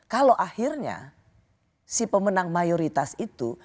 kalau akhirnya si pemenang mayoritas itu